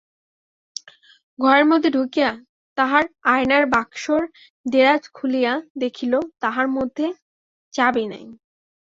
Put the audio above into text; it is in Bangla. ঘরের মধ্যে ঢুকিয়া তাহার আয়নার বাক্সর দেরাজ খুলিয়া দেখিল, তাহার মধ্যে চাবি নাই।